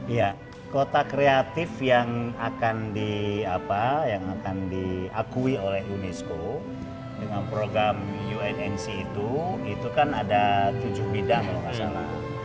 iya kota kreatif yang akan di apa yang akan diakui oleh unesco dengan program unsc itu itu kan ada tujuh bidang kalau gak salah